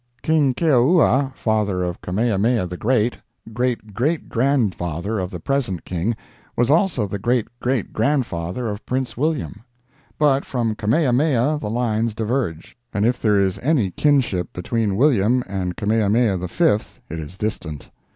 King Keoua (father of Kamehameha the Great), great great grandfather of the present King, was also the great great grandfather of Prince William; but from Kamehameha the lines diverge, and if there is any kinship between William and Kamehameha V it is distant.